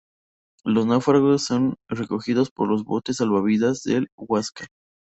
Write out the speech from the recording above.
Los náufragos son recogidos por los botes salvavidas del "Huáscar".